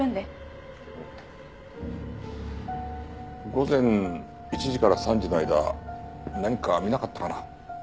午前１時から３時の間何か見なかったかな？